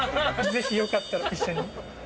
ぜひよかったら一緒に。